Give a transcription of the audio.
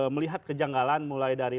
melihat kejanggalan mulai dari